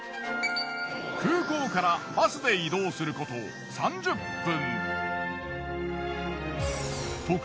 空港からバスで移動すること３０分。